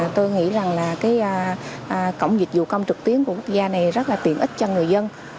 tôi nghĩ rằng là cái cổng dịch vụ công trực tuyến của quốc gia này rất là tiện ích cho người dân